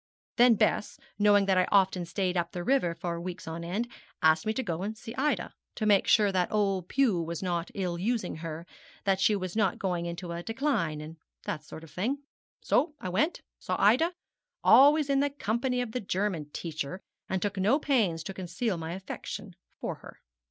Then Bess, knowing that I often stayed up the river for weeks on end, asked me to go and see Ida, to make sure that old Pew was not ill using her, that she was not going into a decline, and all that kind of thing. So I went, saw Ida, always in the company of the German teacher, and took no pains to conceal my affection for her.